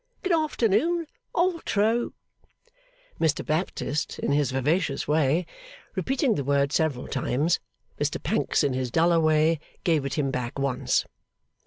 Good afternoon. Altro!' Mr Baptist in his vivacious way repeating the word several times, Mr Pancks in his duller way gave it him back once.